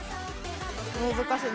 難しい。